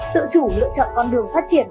tự chủ lựa chọn con đường phát triển